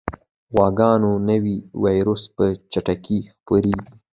غواګانو نوی ویروس په چټکۍ خپرېږي.